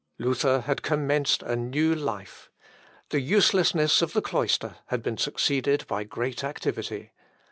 Luther had commenced a new life. The uselessness of the cloister had been succeeded by great activity.